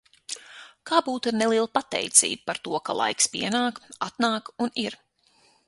Kā būtu ar nelielu pateicību par to, ka laiks pienāk, atnāk un ir?